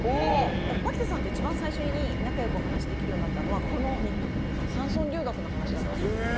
マキタさんと一番最初に仲良くお話しできるようになったのはこの山村留学の話だったんです。